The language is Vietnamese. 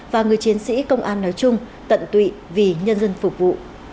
và người chiến sĩ công an nói chung tận tụy vì nhân dân phục vụ